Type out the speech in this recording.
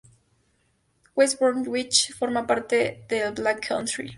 West Bromwich forma parte del "Black Country".